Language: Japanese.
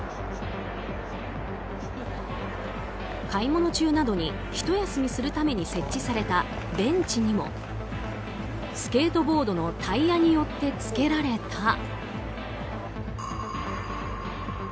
買い物中などにひと休みするように設置されたベンチにもスケートボードのタイヤによってつけられた。